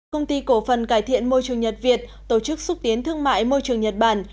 công ty cổ phần cải thiện môi trường nhật việt tổ chức xúc tiến thương mại môi trường nhật bản